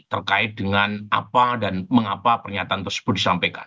terkait dengan apa dan mengapa pernyataan tersebut disampaikan